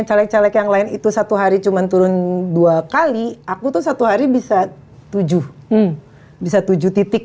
hai caleg caleg yang lain itu satu hari cuman turun dua kali aku tuh satu hari bisa tujuh bisa tujuh titik